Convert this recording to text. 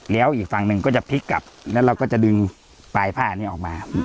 แล้วอีกฝั่งหนึ่งก็จะพลิกกลับแล้วเราก็จะดึงปลายผ้านี้ออกมา